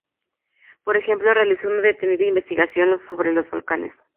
Por ejemplo, realizó una detenida investigación sobre los volcanes.